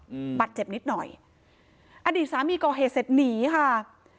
อืมปัดเจ็บนิดหน่อยอดีตสามีก็เฮษฐ์หนีค่ะ